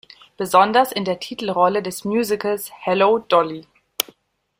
Besonders in der Titelrolle des Musicals "Hello, Dolly!